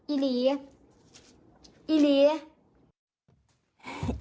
อีหลี